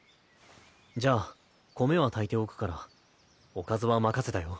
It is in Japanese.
じゃあ米は炊いておくからおかずは任せたよ。